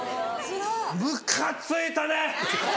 ムカついたね！